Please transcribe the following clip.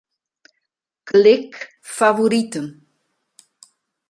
Klik Favoriten.